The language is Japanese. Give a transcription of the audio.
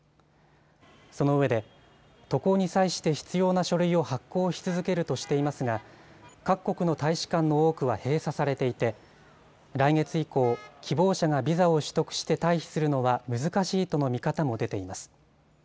そのうえで渡航に際して必要な書類を発行し続けるとしていますが各国の大使館の多くは閉鎖されていて来月以降、希望者がビザを取得して退避するのは難しいとの見方も出ています。